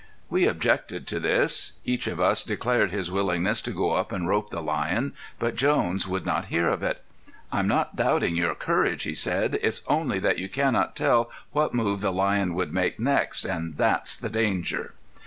We objected to this. Each of us declared his willingness to go up and rope the lion; but Jones would not hear of it. "I'm not doubting your courage," he said. "It's only that you cannot tell what move the lion would make next, and that's the danger."